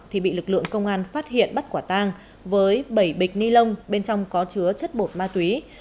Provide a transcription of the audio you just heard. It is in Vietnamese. thì bị lực lượng công an phát hiện bắt quả tang với bảy bịch ni lông bên trong có chứa chất bột ma túy